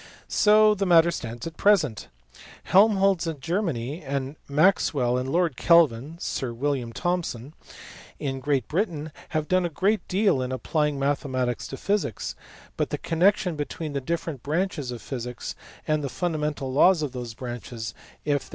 So the matter stands at present. Helmholtz in Germany, and Maxwell and Lord Kelvin (Sir William Thomson) in Great Britain, have done a great deal in applying mathematics to physics; but the connection between the different branches of physics, and the fundamental laws of those branches (if there 268 FEATURES OF MODERN MATHEMATICS.